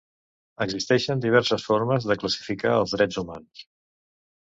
Existeixen diverses formes de classificar els drets humans.